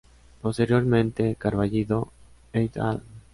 Posteriormente Carballido "et al.